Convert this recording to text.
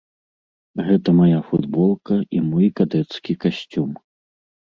Гэта мая футболка і мой кадэцкі касцюм.